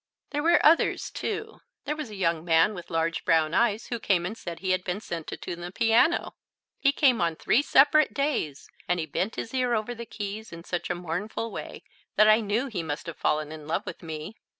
There were others too. There was a young man with large brown eyes who came and said he had been sent to tune the piano. He came on three separate days, and he bent his ear over the keys in such a mournful way that I knew he must have fallen in love with me.